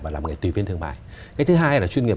và làm nghề tùy phiên thương mại cái thứ hai là chuyên nghiệp